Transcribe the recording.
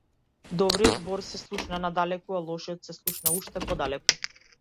Добриот збор се слуша надалеку, а лошиот се слуша уште подалеку.